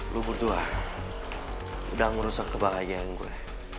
lo berdua udah ngerusak kebahagiaan gue